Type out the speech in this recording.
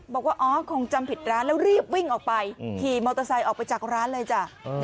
บอกว่าอ๋อคงจำผิดร้านแล้วรีบวิ่งออกไปขี่มอเตอร์ไซค์ออกไปจากร้านเลยจ้ะ